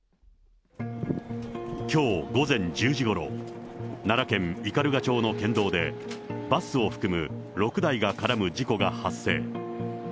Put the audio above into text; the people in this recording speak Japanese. きょう午前１０時ごろ、奈良県斑鳩町の県道で、バスを含む６台が絡む事故が発生。